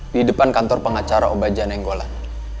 di depan kantor pengacara obadjana enggolan